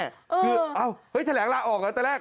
คือเอาเฮ้ยแถลงลาออกแล้วแต่แรก